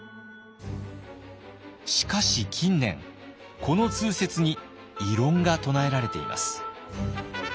しかし近年この通説に異論が唱えられています。